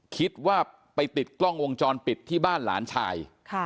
คิดว่าไปติดกล้องวงจรปิดที่บ้านหลานชาย